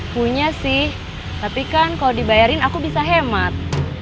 punya sih tapi kan kalau dibayarin aku bisa hemat